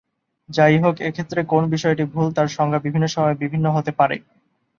যাই হোক, এক্ষেত্রে কোন বিষয়টি ভুল তার সংজ্ঞা বিভিন্ন সময়ে বিভিন্ন হতে পারে।